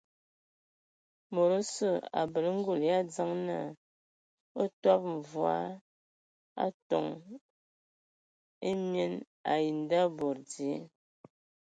Mod osə abələ ngul yʼadzəŋ na utəbə mvɔa atoŋ emien ai ndabod dzie.